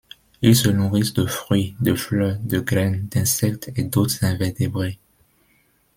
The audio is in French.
Ils se nourrissent de fruits, de fleurs, de graines, d'insectes et d'autres invertébrés.